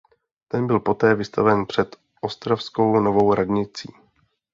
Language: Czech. Ten byl poté vystaven před ostravskou Novou radnicí.